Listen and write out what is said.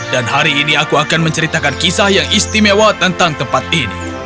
dan hari ini aku akan menceritakan kisah yang istimewa tentang tempat ini